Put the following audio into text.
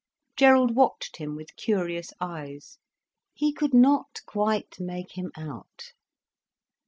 Gerald watched him with curious eyes. He could not quite make him out.